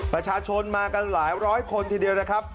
ประชาชนมากันหลายร้อยคนทีเดียวนะครับ